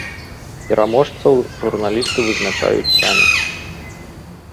Пераможцаў журналісты вызначаюць самі.